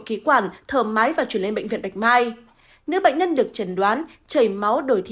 ký quản thờ máy và chuyển lên bệnh viện bạch mai nữ bệnh nhân được chẩn đoán chảy máu đổi thị